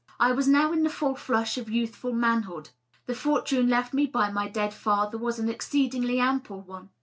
I was now in the full flush of youthful manhood. The fortune left me by my dead father was an exceedingly ample one.